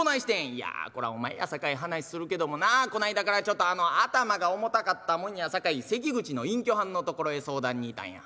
「いやこらお前やさかい話するけどもなこないだからちょっとあの頭が重たかったもんやさかい関口の隠居はんのところへ相談に行たんや。